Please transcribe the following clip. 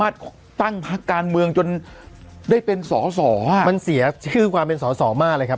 ตั้งพักการเมืองจนได้เป็นสอสอมันเสียชื่อความเป็นสอสอมากเลยครับ